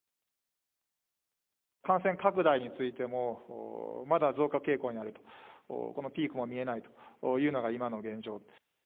感染拡大についても、まだ増加傾向にあると、このピークも見えないというのが今の現状。